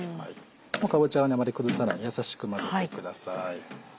かぼちゃはあまり崩さない優しく混ぜてください。